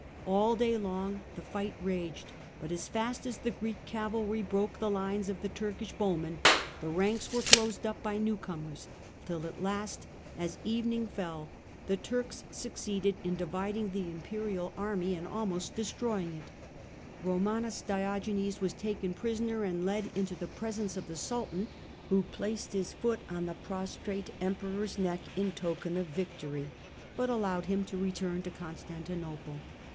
All day long the fight raged, but as fast as the Greek cavalry broke the lines of the Turkish bowmen the ranks were closed up by newcomers, till at last, as evening fell, the Turks succeeded in dividing the imperial army and almost THE EASTEKN EMPIRE AND llIE SELJUK TURKS 69 destroying it. Komaniis Diogenes was taken prisoner and led into the presence of the Sultan, who placed his foot on the prostrate Emperor's neck in token of victory, but allowed him to return to Constantinople.